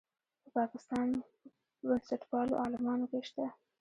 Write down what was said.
په پاکستان په بنسټپالو عالمانو کې شته.